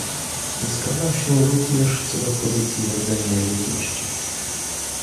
Zgadzam się również co do pozycji rdzennej ludności